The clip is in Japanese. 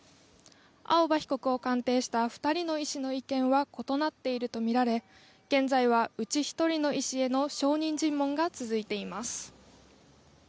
青葉被告を鑑定した２人の医師の報告は異なっているとみられ現在はうち１人の医師への証人尋問が続いています。